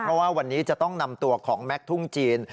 เพราะว่าวันนี้จะต้องนำตัวของแม็กซ์ทุ่งจีน